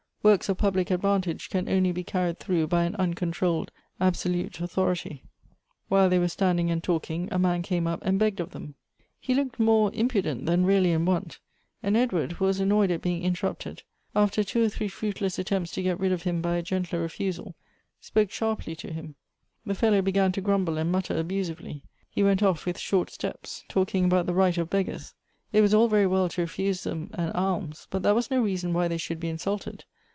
Works of public advantage can only be carried through by an uncontrolled absolute authority." " While they were standing and talking, a man came up and begged of them. He looked more imjnident thnn really in want, and Edward, who was annoyed at being internipted, after two or three fruitless attempts to get Elective Affinities. 57 rid of him by a gentler refusal, spoke sharply to him. The fellow began to grumble and mutter abusively ; he went off with short steps, talking about the right of beg gai s. It was all very well to refuse them an alms, but that was no reason why they should be insulted.